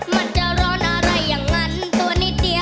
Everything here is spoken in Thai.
มันจะร้อนอะไรอย่างนั้นตัวนิดเดียว